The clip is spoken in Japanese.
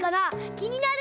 きになる。